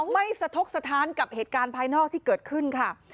ไม่สะทกสถานกับเหตุการณ์ภายนอกที่เกิดขึ้นค่ะ